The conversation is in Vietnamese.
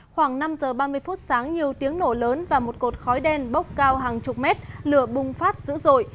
khoảng năm giờ ba mươi phút sáng nhiều tiếng nổ lớn và một cột khói đen bốc cao hàng chục mét lửa bùng phát dữ dội